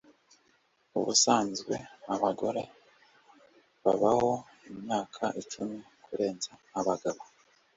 ubusanzwe abagore babaho imyaka icumi kurenza abagabo